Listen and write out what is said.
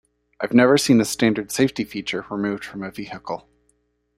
I've never seen a standard safety feature removed from a vehicle.